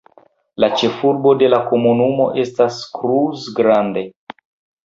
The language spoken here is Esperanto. La ĉefurbo de la komunumo estas Cruz Grande.